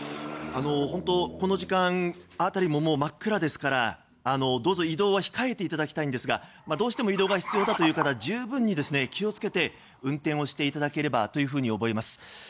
この時間辺りも真っ暗ですからどうぞ移動は控えていただきたいんですがどうしても移動が必要だという方は十分に気を付けて運転をしていただければと思います。